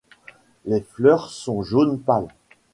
Les fleurs sont jaune pâle.